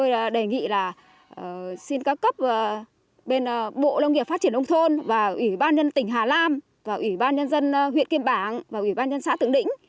chính quyền ông thôn và ủy ban nhân tỉnh hà nam và ủy ban nhân dân huyện kim bằng và ủy ban nhân xã tượng lĩnh